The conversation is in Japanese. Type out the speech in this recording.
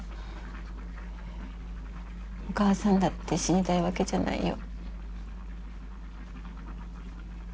お母さんだって死にたいわけじゃないよ。